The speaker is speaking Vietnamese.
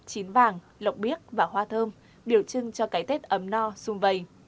chín vàng lọc biếc và hoa thơm biểu trưng cho cái tết ấm no xung vầy